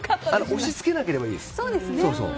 押し付けなければいいです。